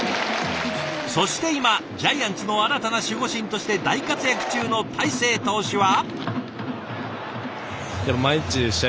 そして今ジャイアンツの新たな守護神として大活躍中の大勢投手は。